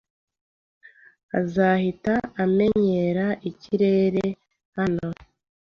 Azahita amenyera ikirere hano.